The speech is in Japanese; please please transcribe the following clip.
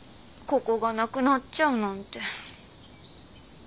ここがなくなっちゃうなんて。